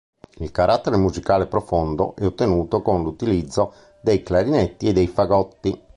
Il carattere musicale profondo è ottenuto con l'utilizzo dei clarinetti e dei fagotti.